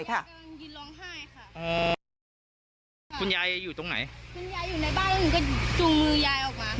กำลังยินร้องไห้ค่ะคุณยายอยู่ตรงไหนคุณยายอยู่ในบ้านแล้วมึงก็จูงมือยายออกมา